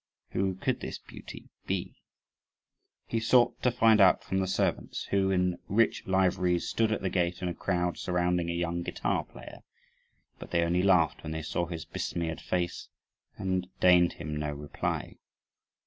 Who could this beauty be? He sought to find out from the servants, who, in rich liveries, stood at the gate in a crowd surrounding a young guitar player; but they only laughed when they saw his besmeared face and deigned him no reply.